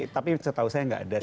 tapi setahu saya enggak ada sih